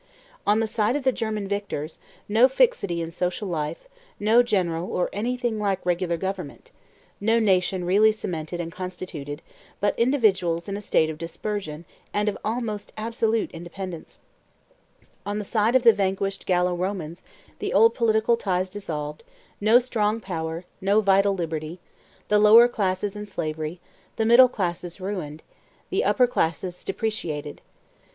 On the side of the German victors, no fixity in social life; no general or anything like regular government; no nation really cemented and constituted; but individuals in a state of dispersion and of almost absolute independence: on the side of the vanquished Gallo Romans, the old political ties dissolved; no strong power, no vital liberty; the lower classes in slavery, the middle classes ruined, the upper classes depreciated.